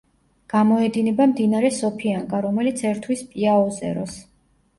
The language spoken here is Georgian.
გამოედინება მდინარე სოფიანგა, რომელიც ერთვის პიაოზეროს.